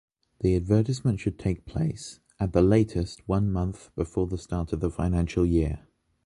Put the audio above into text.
The advertisement should take place, at the latest, one month before the start of the financial year.